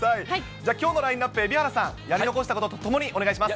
じゃあきょうのラインナップ、蛯原さん、やり残したこととともにお願いします。